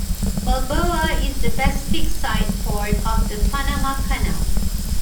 Balboa is the Pacific-side port of the Panama Canal.